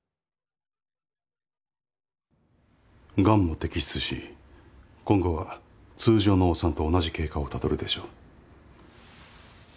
がんも摘出し今後は通常のお産と同じ経過をたどるでしょう。